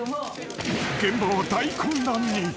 ［現場は大混乱に］